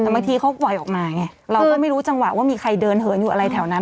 แต่บางทีเขาปล่อยออกมาไงเราก็ไม่รู้จังหวะว่ามีใครเดินเหินอยู่อะไรแถวนั้น